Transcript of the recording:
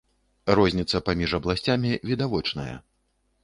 Розніца паміж абласцямі відавочная.